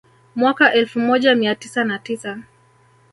Mwaka elfu moja mia tisa na tisa